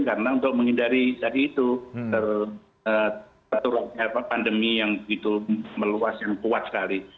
karena untuk menghindari tadi itu teratur pandemi yang itu meluas yang kuat sekali